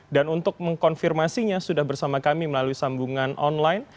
dan untuk mengkonfirmasinya sudah bersama kami melalui sambungan online